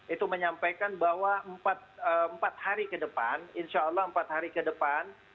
itu menyampaikan bahwa empat hari ke depan insya allah empat hari ke depan